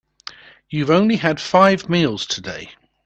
You've only had five meals today.